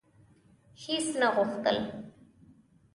هیڅ نه غوښتل: